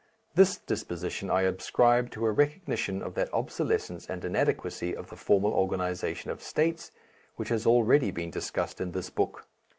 This disposition I ascribe to a recognition of that obsolescence and inadequacy of the formal organization of States, which has already been discussed in this book.